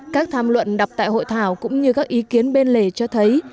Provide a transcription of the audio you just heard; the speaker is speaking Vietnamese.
các tham luận đặt tại hội thảo cũng như các ý kiến bên lề cho thấy